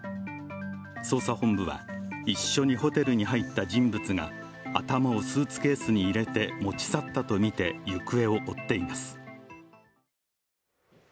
捜査本部は、一緒にホテルに入った人物が頭をスーツケースに入れて持ち去ったとみて行方を追っています。